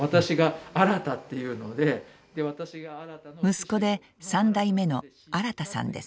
息子で３代目の新さんです。